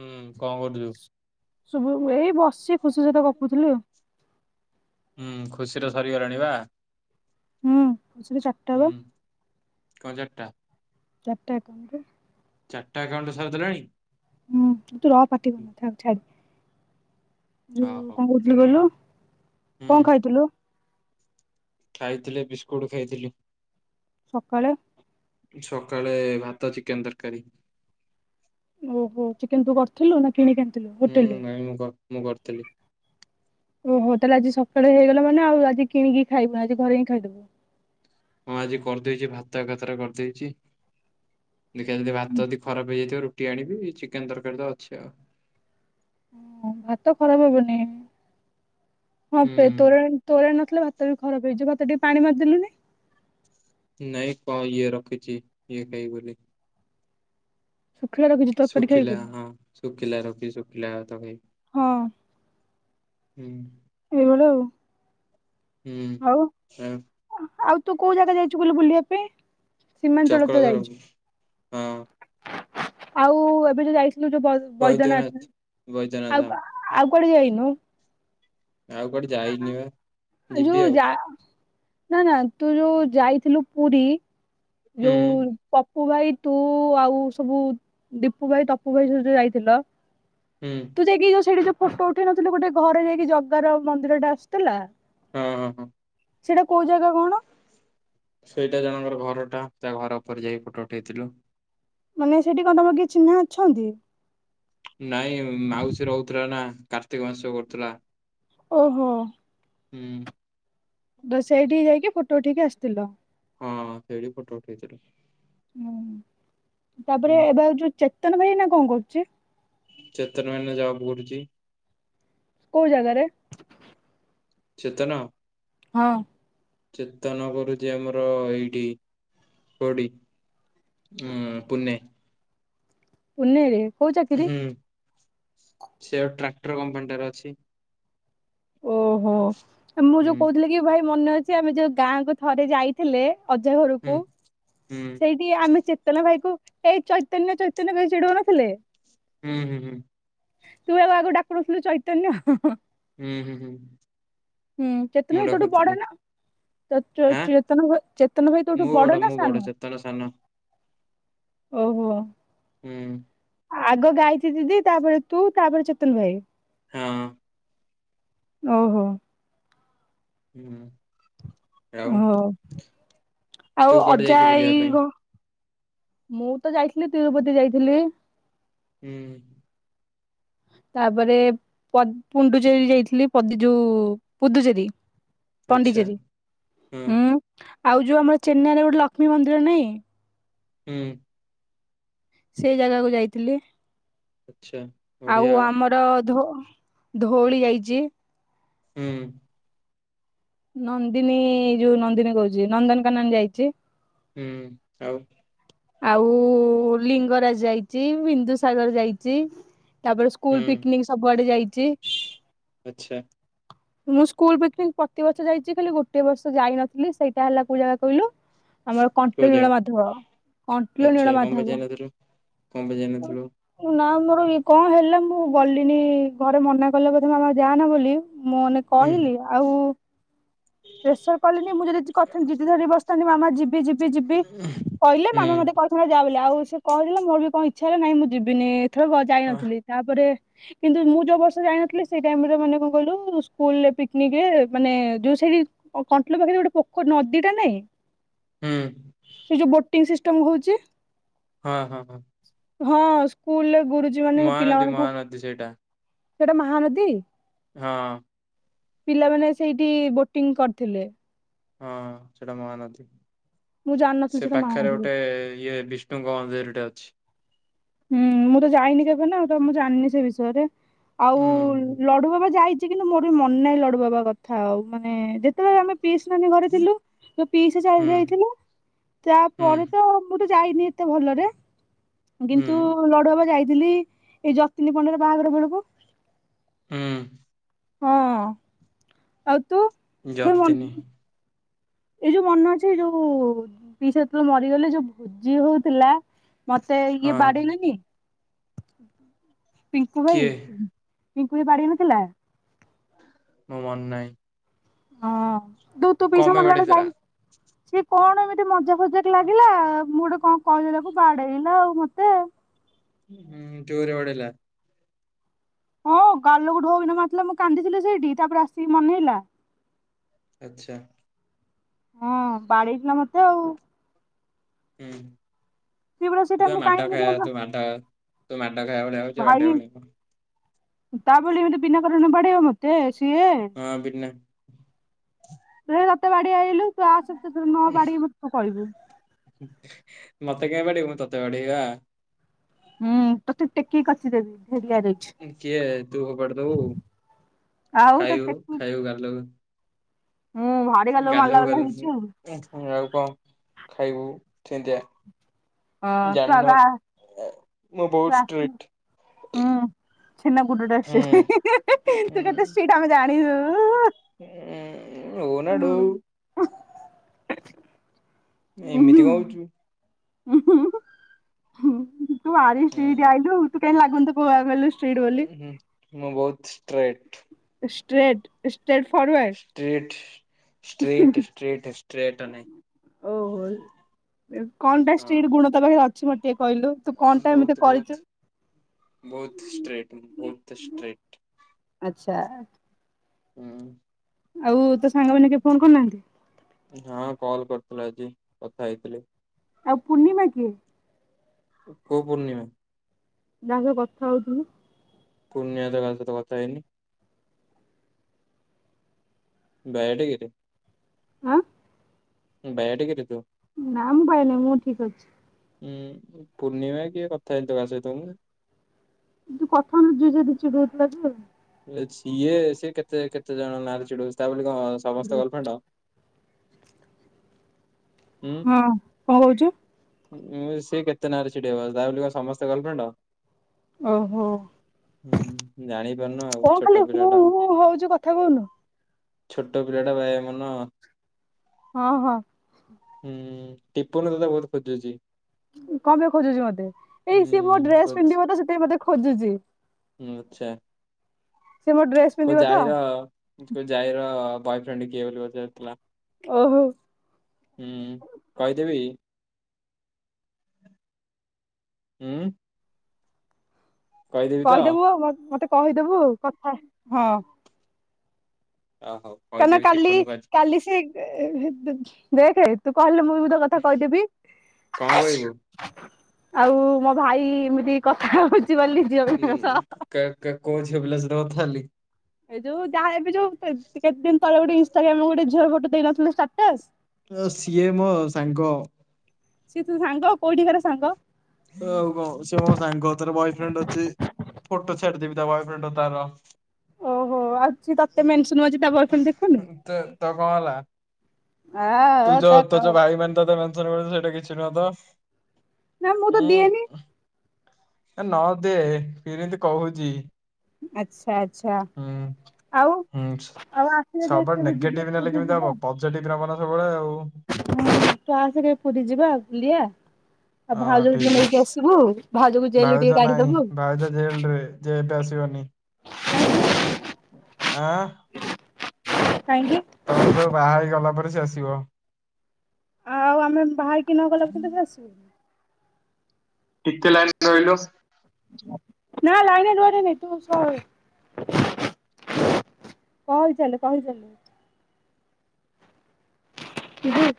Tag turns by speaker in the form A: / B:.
A: ହୁଁ କଣ କରୁଛୁ?
B: ଶୁୁବୁ ଉବୁ ଏଇ ବସି ଖୁସି ସହିତ ଗପୁଥିଲି ଆଉ
A: ହୁଁ ଖୁସିର ସରିଗଲାଣି ବା
B: ହୁଁ ସୁବେଚ୍ଛା।
A: ହୁଁ କଜାର ଟା
B: ଚାଟାକନି
A: ଚାରିଟା ଏକାଉଣ୍ଟରେ ସାର ଦେଲାଣି?
B: ହୁଁ ତୁ ରହ ପାଟିକର୍ ନା ଛାଡି
A: ହ
B: ଯୋଉ
A: ହଉ
B: କଣ କ ବୁ କହିଲୁ
A: ହୁଁ
B: କଣ ଖାଇଥିଲୁ?
A: ଖାଇଥିଲେ ବିସ୍କୁଟ ଖାଇଥିଲି।
B: ସକାଳେ
A: ସକାଳେ ଭାତ ଚିକେନ ତରକାରୀ
B: ଓହୋ ଚିକେନ ତୁ କରିଥିଲୁ ନା କିଣିିକି ଆଣିଥିଲୁ
A: ହୁଁ
B: ହୋଟେଲରୁ?
A: ନାଇଁ ମୁଁ ମୁଁ କରିଥିଲି।
B: ଓ ହୋ ତାହେଲେ ଆଜି ସକାଳେ ହେଇଗଲା ମାନେ ଆଉ ଆଜି କିଣିକି ଖାଇବୁ ଆଜି ଘରେ ହିଁ ଖାଇଦବୁ।
A: ହଁ ଆଜି କରିଦେଇଛି ଭାତ ଏକାଥରକେ କରିଦେଇଛି ଦେଖିଆ ଯଦି ଭାତ ଯଦି ଖରାପ ହେଇଯାଇଥିବ ରୁ ରୁଟି ଆଣିବି ଚିକେନ ତରକାରୀ ତ ଅଛି ଆଉ
B: ହ ଭାତ ଖରାପ ହବନି ହଁ
A: ହୁଁ
B: ତୋ ତୋରାଣୀ ତୋରାଣି ନଥିଲେ ଭାତ ବି ଖରାପହେଇଯିବ ଭାତ ଟିକେ ପାଣି ମାରିଦେଲୁନି
A: ନାଇଁ କୁ ଇଏ ରଖିଛି ଇଏ ଖାଇବି ବି ବୋଲି।
B: ଶୁଖିଲା ରଖିଛୁ ତରକାରୀ ଖାଇବୁ
A: ଶୁଖିଲା
B: ବୋଲି।
A: ହଁ ଶୁଖିଲା ରଖି ଶୁଖିଲା ଭାତ ଖୀରବି
B: ହଁ।
A: ହୁଁ।
B: ଏ ଭଳି ଆଉ।
A: ହୁଁ ଆ
B: ଆଉ ତୁ କୋଉ ଜାଗା ଯାଇଛୁ ବଲୁ ବୁଲିବା ପାଇଁ ସୀମାଞ୍ଚଳ ତ
A: ଚକ୍ରଧର
B: ଯାଇଚୁ।
A: ହଁ
B: ଆଉ ଏବେ ଯୋଉ ଯାଇଥିଲୁ ଯୋଉ ବ। ବୈଦ୍ୟନାଥ
A: ବୈଦ୍ୟନାଥ ହଁ
B: ଆଉ ଆଉ କୁଆଡେ ଯାଇନୁ?
A: ଆଉ କୁଆଡେ ଯାଇନି ବା
B: ଯୋଉ
A: ଯିବି ଆଉ।
B: ଯା ନା ନା ତୁ ଯୋଉ ଯାଇଥିଲୁ ପୁରୀ
A: ହୁଁ
B: ଯୋଉ ପପୁ ଭାଇ ତୁ ଆଉ ସବୁ ଦୀପୁ ଭାଇ ତପୁ ଭାଇ ସବୁ ଯାଇଥିଲ
A: ହୁଁ।
B: ତୁ ଯାଇକି ଯୋ ସେଠି ଯୋଉ ଫୋଟୋ ଉଠେଇ ନଥିଲୁ ଗୋଟେ ଘରେ ଯାଇକି ଜଗାର ମନ୍ଦିର ଟା ଆସୁଥିଲା।
A: ହୁଁ ହଁ ହୁଁ।
B: ସେଇଟା କୋଉ ଜାଗା କଣ?
A: ସେଇଟା ଜଣଙ୍କର ଘରଟା ତା ଘର ଉପରେ ଯାଇକି ଫଟୋ ଉଠେଇଥିଲୁ।
B: ମାନେ ସେଠି କଣ କିଏ ଚିହ୍ନା ଅଛନ୍ତି?
A: ନାଇଁ ମାଉସୀ ରହୁଥିଲା ନା କାର୍ତ୍ତିକ ମାସ କରୁଥିଲା।
B: ଓହୋ।
A: ହୁଁ।
B: ତ ସେଇଠିକି ଯାଇକି ଫୋଟୋ ଉଠିକି ଆସିଥିଲ।
A: ହଁ ସେଠି ଫଟୋ ଉଠେଇଥିଲୁ।
B: ହୁଁ ତାପରେ
A: ହୁଁ
B: ଏବେ ଯୋଉ ଚେତନ ଭାଇ ନା କଣ କରୁଚି।
A: ଚେତନ [unintelligible]
B: କୋଉ ଜାଗାରେ?
A: ଚେତନ।
B: ହଁ।
A: ଚେତନ କରୁଚି ଆମର ଏଇଠି [unintelligible] ହୁଁ ପୁଣେ।
B: ପୁନେରେ କୋଉ ଚାକିରି?
A: ସେଆଡୁ ଟ୍ରାକ୍ଟର କମ୍ପାନୀଟା ରେ ଅଛି।
B: ଓହୋ ମୁଁ ଯୋଉ
A: ହୁଁ
B: କହୁଥିଲି କି ଭାଇ ମନେ ଅଛି ଆମେ ଯୋଉ ଗାଁ ଥରେ ଯାଇ ଥିଲେ ଅଜା
A: ହୁଁ
B: ଘରକୁ
A: ହୁଁ
B: ସେଇ ଆମେ ଚେତନ ଭାଇ କ ଏଇ ଚୈତନ୍ୟ ଚୈତନ୍ୟ ଭାଇ ଚିଢଡଉନଥିଲେ?
A: ହୁଁ ହୁଁ ହୁଁ।
B: ତୁ ଏବେ ଆଗକୁ ଡାକୁଥିଲୁ ଚୈତନ୍ୟ?
A: ହୁଁ ହୁଁ ହୁଁ।
B: ହୁଁ ଚେତନ
A: ମୁଁ
B: ଭାଇ ତୋଠୁ
A: ଡାକୁଥିଲି
B: ବଡ ନା? ତ ଚ
A: ଆଁ
B: ଚେତନ ଭ ଚେତନ ଭାଇ ତୋଠୁ
A: ମୁଁ
B: ବଡ ନା
A: ମୁଁ
B: ସାନ?
A: [unintelligible] ସାନ।
B: ଓହୋ।
A: ହୁଁ।
B: ଆଗ ଗାୟତ୍ରୀ ଦିଦି ତାପରେ ତୁ ତାପରେ ଚେତନ ଭାଇ।
A: ହଁ
B: ଓହୋ।
A: ହୁଁ। ଆଉ
B: ଓହୋ। ଆଉ
A: ତୁ କୁଆଡେ
B: ଅଜା
A: ଯାଇଛୁ ବୁଲିବା
B: ଆଇ
A: ପାଇଁ?
B: ଗ ମୁଁ ତ ଯାଇଥିଲି ତିରୁପତି ଯାଇଥିଲି।
A: ହୁଁ।
B: ତାପରେ ପଦୀ ପୁଣ୍ଡୁଚେରୀ ଯାଇଥିଲି ଯୋଉ ପୁଦୁଚେରୀ
A: ଆଚ୍ଛା
B: ପଣ୍ଡିଚେରୀ
A: ହଁ
B: ହୁଁ ଆଉ ଯୋଉ ଆମର ଚେନ୍ନାଇରେ ଗୋଟେ ଲକ୍ଷ୍ମୀ ମନ୍ଦିର ନାଇଁ।
A: ହୁଁ
B: ସେଇ ଜାଗାକୁ ଯାଇଥିଲି
A: ଆଚ୍ଛା
B: ଆଉ
A: ବଢିଆ
B: ଆମର ଧୋ ଧଉଳି ଯାଇଛି
A: ହୁଁ
B: ନନ୍ଦିନୀ ଯୋଉ ନନ୍ଦିନୀ କହୁଛି ନନ୍ଦନକାନନ ଯାଇଛି
A: ହୁଁ ଆଉ
B: ଆଉ ଲିଙ୍ଗରାଜ ଯାଇଛି ବିନ୍ଦୁ ସାଗର ଯାଇଛି ତାପରେ ସ୍କୁଲ
A: ହୁଁ
B: ପିକନିକ ସବୁଆଡେ ଯାଇଛି
A: ଆଚ୍ଛା
B: ମୁଁ ସ୍କୁଲ ପିକ୍ନିକ ପ୍ରତିିବର୍ଷ ଯାଇଛି ଖାଲି ଗୋଟେ ବର୍ଷ ଯାଇନଥିଲି ସେଇଟା ହେଲା କୋଉ ଜାଗା କହିଲୁ ଆମର
A: କୋଉ
B: କଣ୍ଟ
A: ଜାଗା
B: ନୀଳ ମାଧବ
A: ଆଚ୍ଛା କଣ ପାଇଁ ଯାଇନଥିଲୁ କଣ ପାଇଁ ଯାଇନଥିଲୁ
B: ନା ମୋର ଇଏ କଣ ହେଲା ମୁଁ ଗଲିନି ଘରେ ମନା କଲେ ଗ [unintelligible] ମାମା ଯାଆନା ବୋଲି ମୁଁ ମାନେ
A: ହୁଁ
B: କହିଲି ଆଉ ପ୍ରେସର କଲିି ମୁଁ ଯଦି କଥା ଯିଦି ଧରି ବସିଥାନ୍ତି ମାମା ଯିବି ଯିବି ଯିବି କହିଲେ
A: ହୁଁ
B: ମାମା ମତେ କହ ଥ ଯା ବୋଲି ଆଉ ସେ କହିହିଲଥିଲେ ମୋର ବି କଣ ଇଚ୍ଛା ହେଲା ନାଇଁ ମୁଁ ଯିବିନି ଏଥବେ ଯା
A: ଅ
B: ଯାଇନଥିଲି ତାପରେ କିନ୍ତୁ ମୁଁ ଯୋଉ ବର୍ଷ ଯାଇନଥିଲି ସେଇ ଟାଇମରେ ମାନେ କଣ କହିଲୁ ସ୍କୁଲ୍ ରେ ପିକନିକ୍ ମାନେ ଯୋଉ ସେଠି ଓ କଆଣ୍ଟିଲ ପାଖରେ ଗୋଟେ ପୋକ ନଦୀ ଟା ନାଇଁ
A: ହ
B: ସେ ଯୋଉ ବୋଟିଂ ସିଷ୍ଟମ ହଉଛି
A: ହଁ ହଁ ହଁ
B: ହଁ ସ୍କୁଲରେ ଗୁରୁଜୀ ମାନେ
A: ମହାନଦୀ
B: ପିଲାମାନଙ୍କୁ
A: ମହାନଦୀ ସେଇଟା
B: ସେଟା ମହାନଦୀ
A: ହଁ
B: ପିଲାମାନେ ସେଇଠି ବୋଟିଂ କରିଥିଲେ।
A: ହଁ ସେଟା ମହାନଦୀ
B: ମୁଁ ଜାଣିନଥିଲି
A: ସେ
B: ସେଟା
A: ପାଖରେ
B: ମାଉଣ୍ଟ ବୋଲି।
A: ଗୋଟେ ଇଏ ବିଷ୍ ଙ୍ଗ ମନ୍ଦିରଟା ହେଟି ଗୋଟେ ଅଛି
B: ହୁଁ ମୁଁ ତ ଯାଇନି କେବେ ନା ତ ମୁଁ ଜାଣିନି ସେ ବିଷୟରେ ଆଉ
A: ହୁଁ
B: ଲଢୁ ବାବା ଯାଇ କିନ୍ତୁ ମୋର ବି ମନେ ନାହିଁ ଲଡୁ ବାବା କଥା ଆଉ ମାନେ ଯେତେବେଳେ ଆମେ ପିସ୍ ମାନ ଘରେ ଥିଲୁ ସେ ପିସ୍
A: ହୁଁ
B: ସାଙ୍ଗେ ଯାଇଥିଲା
A: ହୁଁ।
B: ତାପରେ ତ ମୁଁ ତ ଯାଇନି ଏତେ ଭଲରେ
A: ହୁଁ
B: କିନ୍ତୁ ଲଡୁଆବ ଯାଇଥିଲି ଏଇ ଯତ୍ନୀ ପଣ୍ଡାର ବାହାଘର ବେଳକୁ
A: ହ
B: ହଁ ହଁ ଆଉ ତୁ?
A: ଜତିନି
B: ଏଇ ଯୋଉ ମନେ ଅଛି ଯୋଉ ପିଇସା ଯେତେବେଳେ ମରିଗଲେ ଯୋଉ ଭୋଜି ହଉଥିଲା ମତେ ଇଏ
A: ହଁ
B: ବାଡ଼ିଲନି ପିଙ୍କୁ ଭାଇ
A: କିଏ
B: ପିଙ୍କୁ ବାଡେଇ ନଥିଲା
A: ମୋ ମନ ନାହିଁ
B: ହଁ ଦୁ ତୁ
A: କଣ
B: ପିଇସା
A: ପାଇଁ
B: ମଲାଣି
A: ବାଡେଇଥିଲା?
B: ଯାଇନି ସିଏ କଣ ଏମିତି ମଜା ଫଜାକ ଲାଗିଲା ମୁଁ ଗୋଟେ କଣ କହଦାକୁ ବାଡେଇଲା ଆଉ ମତେ
A: ହଁ ଯୋର ବାଡେଇଲା
B: ହଁ ଗାଲକୁ ଢଉକିନ ମାରଥିଲା ମୁଁ କାନ୍ଦିଥିଲି ସେଇଠି ତାପରେ ଆସିକି ମନେ ହେଲା
A: ଆଚ୍ଛା
B: ହଁ ବାଡେଇଥିଲା ମତେ ଆଉ
A: ହୁଁ
B: ସିଏ ପରା ସେଇ
A: ତ ଯ
B: ଟାଇମ୍ କୁ କାଇଁ
A: ମାଟା
B: ଏମିତି
A: ଖାଇ
B: ହେଲା
A: ତୁ ମାଟା ତୁ ମାଡା ଖାଇବା ଭଳିଆ ହଉଛି ମାଡ
B: ଭାଇ
A: ହଉନି କଣ
B: ତା ବୋଲି ଏମିତି ବିନା କାରଣରେ ବାଡେଇବ ମତେ ସିଏ।
A: ହଁ ବିପିନ୍ ଭା
B: ତୁଇ ମତେ ବାଡିଆ ଆଇଲୁ ତୁ ଆସେ ନ ବାଡେଇବି ମତେ ତୁ କହିବୁ।
A: ମତେ କାଇଁ ବାଡେଇବ ତତେ ବାଡେଇବି ଆ
B: ହୁଁ ତତେ ଟେକି କି କସିଦେବି [unintelligible] ହେଡିଆରେ
A: କିଏ ତୁ ଫୋପାଡିଦବୁ
B: ଆଉ ତତେ
A: ଖାଇବୁ
B: ଟେକି
A: ଖାଇବୁ ଗାଲକୁ
B: ହୁଁ ଭାରି ଗାଲ କୁ ମାରିଲା ବାଲା
A: ଗାଲୁ
B: ହେଇଚୁ ଆଉ
A: ଆଉ କଣ ଖାଇବୁ ଥେନ୍ତିଆ।
B: ହଁ ତୁ ଆଗ
A: ଜାଣିନୁ
B: ଆ
A: ମୁଁ
B: ତୁ
A: ବହୁତ
B: ଆସୁନୁ
A: ଷ୍ଟ୍ରିଟ୍।
B: ହୁଁ ଛେନା ଗୁଡଟା ଷ୍ଟ୍ରିଟ୍ ହିଁ ହିଁ ହିଁ ହିଁ
A: ହୁଁ
B: ତୁ କେତେ ଷ୍ଟ୍ରିଟ୍ ଆମେ ଜାଣିଚୁ।
A: ଉଁ ନା! ! ! ! ! ! ! ! ! ! ଏମିତି କଣ ହଉଚୁ?
B: ହୁଁ ହୁଁ ହୁଁ ହୁଁ ତୁ ଆରି
A: ହୁଁ
B: ଷ୍ଟ୍ରିଟ୍ ଆଇଲୁ ଆଉ, ତୁ କାଇଁ ଲାଗୁନି ତ କୋଉ ଆନ୍ଗେଲ୍ ରୁ ଷ
A: ଉଁ ହୁଁ ମୁଁ ବହୁତ ଷ୍ଟ୍ରେଟ୍।
B: Straight straight forward?
A: [unintelligible] ଷ୍ଟେର୍ଟ୍ ନାଇଁ।
B: ଓହୋଲ କଁଣ ଟା
A: ହଁ
B: ଷ୍ଟ୍ରିଟ ଗୁଣ ତୋର ଅ ଛି ମତେ ଟିକେ କହିଲୁ ତୁ କଁଣ ଟା ଏମିତି କରିଚୁ?
A: ବହୁତୁ ଷ୍ଟ୍ରିଟ୍ ବହୁତ ଷ୍ଟ୍ରେଟ୍।
B: ଆଚ୍ଛା।
A: ହୁଁ।
B: ଆଉ ତୋ ସାଙ୍ଗମାନେ କିଏ ଫୋନ କରିନାହାନ୍ତି?
A: ଜଣେ କଲ କରିଥିଲା ଆଜି କଥା ହେଇଥିଲି।
B: ଆଉ ପୂର୍ଣ୍ଣିମା କିଏ?
A: କୋଉ ପୂର୍ଣିମା?
B: ଯାହା ସହ କଥା ହଉଥିଲୁ।
A: ପୂର୍ଣ୍ଣିମା ସହିତ ତ କଥା ହେଇନି। ବାୟାଟା କିରେ?
B: ଆଁ
A: ବାୟା ଟା କିରେ ତୁ?
B: ନା ମୁଁ ବାୟାନୁହେ ମୁଁ ଠିକ୍ ଅଛି।
A: ଉୁଁ ପୂର୍ଣ୍ଣିମା କିଏ କଥା ହେଇନି ତ କାହା ସହିତ ମୁଁ।
B: ତୁ କଥା ହଉନୁ ଯିଏ ଯାହାକୁ [unintelligible]
A: ସିଏ ସିଏ କେତେ କେତେ ଜଣଙ୍କ ନାଁରେ ଚିଡଉଚି ତା ବୋଲି କଣ ସମସ୍ତେ ଗାଲଫ୍ରେଣ୍ଡ
B: ହଁ କଁଣ କହୁଚୁ?
A: ଉଁ ସେ କେତେ ନାଁ ରେ ଚିଡେଇବ ତା ବୋଲି କଣ ସମସ୍ତେ ଗାଲଫ୍ରେଣ୍ଡ?
B: ଓହୋ।
A: ହୁଁ ଜାଣିପାରୁନୁ ଆଉ
B: କଣ ଖାଲି
A: ଛୋଟ ପିଲା
B: ହୁଁ
A: ଟା ଆ
B: ହୁଁ ହଉଛୁ କଥା କହୁନୁ?
A: ଛୋଟ ପିଲା ଟା ବାୟା ମନ
B: ହଁ ହଁ।
A: ହୁଁ ଟିପୁନୁ ତତେ ବହୁତ ଖୋଜୁଚି।
B: କଁଣ ପେଇଁ ଖୋଜୁଚି ମୋତେ ଏ
A: ହୁଁ
B: ସିଏ ମୋ ଡ୍ରେସ
A: ଖୋଜ୍
B: ପିନ୍ଧିବ ତ ସେଥିପାଇଁ ମତେ ଖୋଜୁଚି
A: ହୁଁ ଆଛା
B: ସିଏ ମୋ ଡ୍ରେସ
A: [unintelligible] କ
B: ପିନ୍ଧିବ ତ।
A: ଜାଣିନ? ଯାଇର ବୟ ଫ୍ରେଣ୍ଡ କିଏ ବୋଲି ପଚାରୁଥିଲା?
B: ଓହୋ।
A: ହୁଁ କହିଦେବି କି? ଉଁ। ତ
B: କହିଦବୁ ଆ ଭ ମତେ କହିଦବୁ ଆଉ କଥା ହଁ।
A: ଆ ହଉ।
B: କାଁ
A: କହିଦେବି
B: କାଲି
A: ଟିପୁନୁ କୁ ଆଜି
B: କାଲି ସେ ଦେଖ ତୁ କହିଲେ ମୁଁ ତ କଥା କହିଦେବି
A: କଣ କହିବୁ
B: ଆଉ ମୋ ଭାଇ ଏମିତି କଥା ହଉଛି ବୋଲିି ଝିଅ
A: ଉଁ
B: ପିଲାଙ୍କ ସହ
A: କା- କା କୋଉ ଝିଅ ପିଲା ସହ କଥା ହେଲି?
B: ଏଇ ଯୋଉ ଯାହା ଏବ ଯୋଉ କେତେ ଦିନ ତଳେ ଗୋଟେ ଇନଷ୍ଟାଗ୍ରାମ ଗୋଟେ ଝିଅ ଫଟ ଦେଇନଥିଲେ ଷ୍ଟାଟସ
A: ସିଏ ମୋ ସାଙ୍ଗ।
B: ସିଏ ତୋ ସାଙ୍ଗ କୋଉଠିକାର ସାଙ୍ଗ?
A: ହଉ କ ସେ ସାଙ୍ଗ ତାର ବୟଫ୍ରେଣ୍ଡ ଅଛି। ଫଟୋ ଛାଡିଦେବି ତା ବୟଫ୍ରେଣ୍ଡର ତାର।
B: ଓହୋ ଆଉ ସିଏ ତତେ ମେନସନ ମାରୁଚି ତା ବୟଫ୍ରେଣ୍ଡ ଦେଖୁନି?
A: ତ ତ କଣ ହେଲା?
B: ଆ
A: ତୁ
B: ଅ ତ
A: ଯୋଉ ତୋ
B: କ
A: ଯୋଉ ଭାଇ ମାନ ତ ସେଇଟା କିଛି ନୁହଁ ତ।
B: ନା ମୁଁ ତ
A: ଉୁଁ
B: ଦିଏନି
A: ନ ଦେ କିଏ ତତେ କହୁଛି?
B: ଆଚ୍ଛା। ଆଛା ଆଚ୍ଛା
A: ହୁଁ
B: ଆଉ
A: ହୁଁ
B: ଆଉ ଆସିବେ ଯେତେବେ ଯିବେ ପୁରୀ ଯିବା।
A: ସେଠି ଗ୍ରାମ ନାଚ ହୁଏ ଆଉ
B: ତା ପରେ ପୁରୀ ଯିବା ଆଉ ବୁଲିଆ। ଆଉ
A: ହଁ
B: ଭାଉଜକୁ ଟିକେ
A: ଠିକ
B: ନେଇକି
A: ଅଛି।
B: ଆସିବୁ ଭାଉଜକୁ ଜେଲରୁ ଟିକେ କାଢି ଦବୁ।
A: ଯେହେତୁ ଆସିବନି। ଆଁ
B: କାହିଁକି?
A: ତମେମାନେ ବାହା ହେଇ ଗଲା ପରେ ସେ ଆସିବ।
B: ଆଉ ଆମେ ବାହାହେଇକି ନ ଗଲା ପର୍ଯ୍ୟନ୍ତ ଆସିବ
A: ଟିକେ ଲାଇନ୍ ରେ ରହିଲୁ।
B: ନା ଲାଇନରେ ରୂହା ରୁହି ନାଇଁ ତୁ ସ କହି ଚାଲ କହି ଚାଲ? ହୁଁ